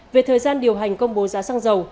về thời gian điều hành công bố giá sang giàu